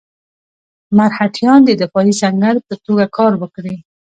مرهټیان د دفاعي سنګر په توګه کار ورکړي.